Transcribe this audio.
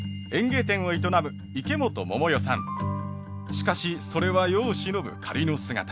しかしそれは世を忍ぶ仮の姿。